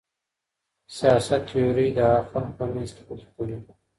سياست تيورۍ د خلکو په منځ کې پلې کوي.